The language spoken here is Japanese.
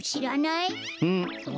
うん？